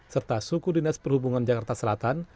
serta suku dinas perhubungan jakarta selatan